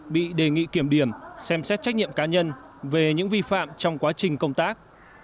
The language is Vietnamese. bị đề nghị kiểm điểm xem xét trách nhiệm cá nhân về những vi phạm trong quá trình công tác